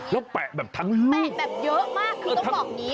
แล้วแปะแบบทั้งลูกแปะแบบเยอะมากคือต้องบอกอย่างนี้